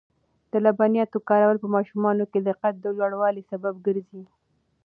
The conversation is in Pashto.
د لبنیاتو کارول په ماشومانو کې د قد د لوړوالي سبب ګرځي.